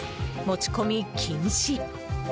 持ち込み禁止。